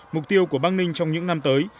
mục tiêu của bắc ninh trong những năm tới